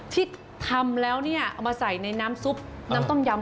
ที่ทำแล้วเนี่ยเอามาใส่ในน้ำซุปน้ำต้มยำ